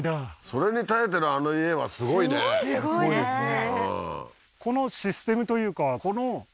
それに耐えてるあの家はすごいねすごいですね山？